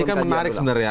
ini kan menarik sebenarnya